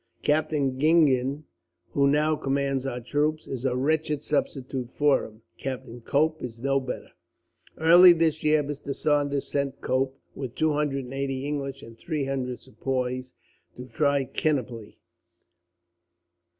Captain Gingen, who now commands our troops, is a wretched substitute for him. Captain Cope is no better. "Early this year Mr. Saunders sent Cope, with two hundred and eighty English and three hundred Sepoys, to Trichinopoli.